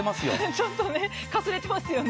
ちょっとねかすれてますよね。